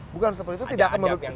bukan seperti itu